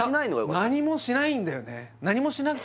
何もしないんだよね